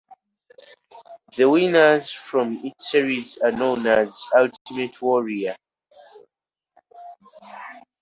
The winners from each series are known as an "Ultimate Warrior".